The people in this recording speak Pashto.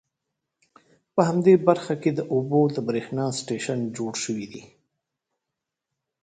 په همدې برخه کې د اوبو د بریښنا سټیشن جوړ شوي دي.